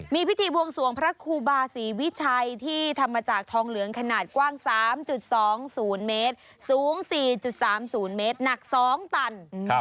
มีพิธีบวงสวงพระครูบาศรีวิชัยที่ทำมาจากทองเหลืองขนาดกว้าง๓๒๐เมตรสูง๔๓๐เมตรหนัก๒ตัน